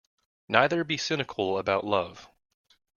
Neither be cynical about love